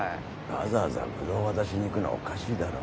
わざわざぶどう渡しに行くのはおかしいだろ。